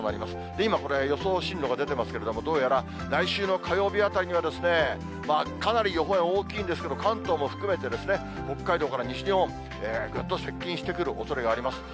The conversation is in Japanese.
今これ、予想進路が出てますけれども、どうやら来週の火曜日あたりには、かなり予報円大きいんですけど、関東も含めて、北海道から西日本、ぐっと接近してくるおそれがあります。